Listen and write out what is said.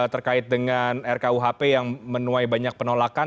terkait dengan rkuhp yang menuai banyak penolakan